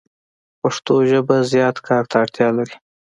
پښتو ژبه زیات کار ته اړتیا لری